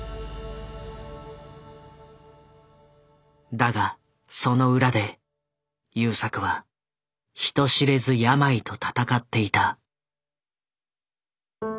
だがその裏で優作は人知れず病と闘っていた。